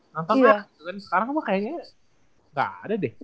nanti sekarang kok kayaknya gak ada deh